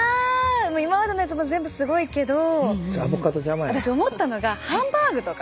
今までのやつも全部すごいけど私思ったのがハンバーグとか。